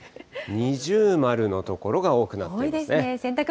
二重丸の所が多くなっていますね。